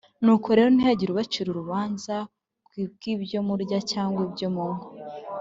Nuko rero ntihakagire ubacira urubanza ku bw’ibyo murya cyangwa ibyo munywa